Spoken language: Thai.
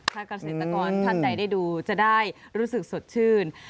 ถ้าเกษตรกรท่านใดได้ดูจะได้รู้สึกสดชื่น